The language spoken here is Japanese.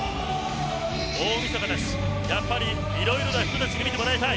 大みそかだしやっぱり、いろいろな人たちに見てもらいたい。